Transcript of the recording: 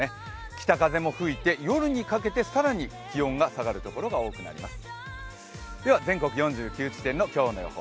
北風も吹いて夜にかけて更に気温が下がるところが多くなります。